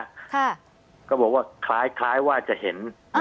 ค่ะก็บอกว่าคล้ายคล้ายว่าจะเห็น